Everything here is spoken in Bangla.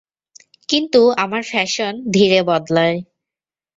কিন্তু আমার ফ্যাশন ধীরে বদলায়।